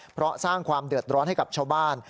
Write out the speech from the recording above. เพราะสร้างความเดือดร้อนให้กับชาวบ้าน